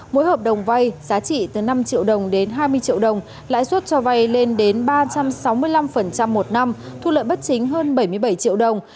mỗi hợp đồng vay giá trị từ năm triệu đồng đến hai mươi triệu đồng lãi suất cho vay lên đến ba trăm sáu mươi năm một năm thu lợi bất chính hơn bảy mươi bảy triệu đồng